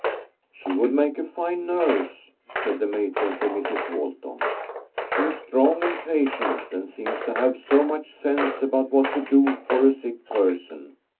" She would make a fine nurse," said the matron to Mrs. Walton. " She is strong and patient, and seems to have so much sense about what to do for a sick person.